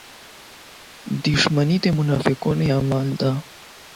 • دښمني د منافقانو عمل دی.